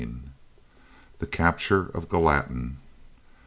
THE CAPTURE OF GALLATIN.